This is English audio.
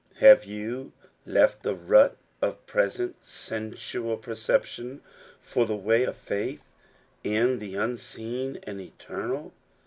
Have you left the rut of present sensual perception for the way of faith in the unseen and eternal